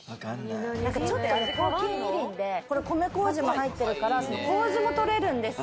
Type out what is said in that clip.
ちょっと高級みりんで、米麹も入ってるから麹も取れるんですよ。